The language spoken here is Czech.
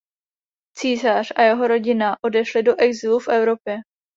Císař a jeho rodina odešli do exilu v Evropě.